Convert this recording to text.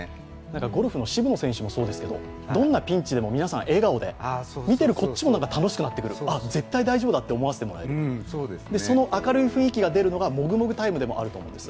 ゴルフの渋野選手もそうですけどどんなピンチでも皆さん笑顔で見てるこっちも楽しくなってくるあっ、絶対大丈夫だって思わせてもらえる、その明るい雰囲気が出るのがもぐもぐタイムでもあると思うんです。